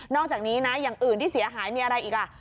อกจากนี้นะอย่างอื่นที่เสียหายมีอะไรอีกล่ะ